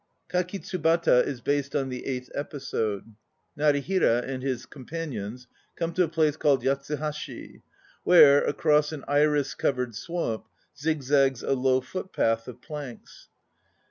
Kakitsubata is based on the eighth episode. Narihira and his com panions come to a place called Yatsuhashi, where, across an iris covered swamp, zigzags a low footpath of planks.